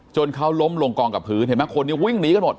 เขาล้มลงกองกับพื้นเห็นไหมคนนี้วิ่งหนีกันหมด